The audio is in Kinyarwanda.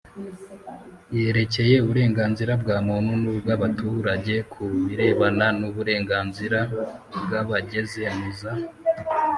yerekeye Uburenganzira bwa Muntu n ubw Abaturage ku birebana n Uburenganzira bw Abageze mu za